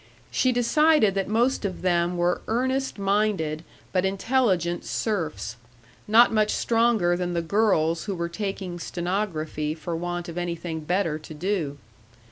She decided that most of them were earnest minded but intelligent serfs, not much stronger than the girls who were taking stenography for want of anything better to do.